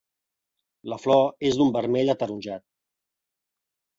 La flor és d'un vermell ataronjat.